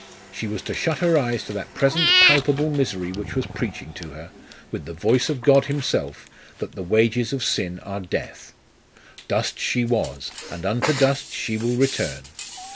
She was to shut her eyes to that present palpable misery which was preaching to her, with the voice of God Himself, that the wages of sin are death. Dust she was, and unto dust she will return!